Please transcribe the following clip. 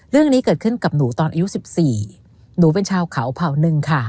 เรื่องนี้เกิดขึ้นกับหนูตอนอายุ๑๔หนูเป็นชาวเขาเผ่าหนึ่งค่ะ